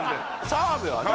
澤部はな